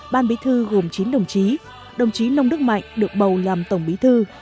ban bí thư gồm chín đồng chí đồng chí nông đức mạnh được bầu làm tổng bí thư